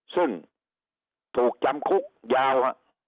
ซึ่งถูกจำคุกยาว